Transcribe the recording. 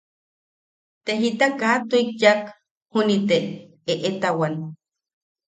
Te jita kaa tuʼik yaak juni te eʼetawan.